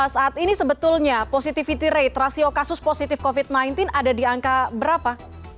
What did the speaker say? saat ini sebetulnya positivity rate rasio kasus positif covid sembilan belas ada di angka berapa